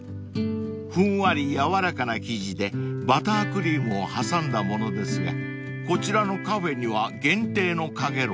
［ふんわり軟らかな生地でバタークリームを挟んだものですがこちらのカフェには限定のかげろう